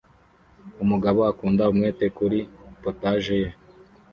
Umugabo akunda umwete kuri POTAGE ye